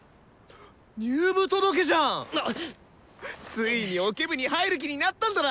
ついにオケ部に入る気になったんだな！